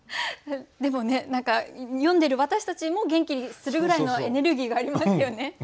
でもね何か読んでる私たちも元気にするぐらいのエネルギーがありますよね。